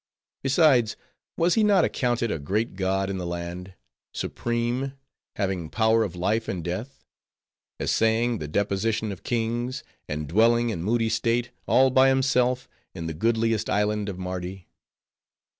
Besides, was he not accounted a great god in the land? supreme? having power of life and death? essaying the deposition of kings? and dwelling in moody state, all by himself, in the goodliest island of Mardi?